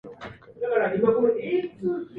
タンザニアの首都はドドマである